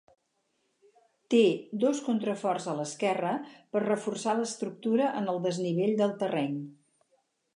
Té dos contraforts a l'esquerra per reforçar l'estructura en el desnivell del terreny.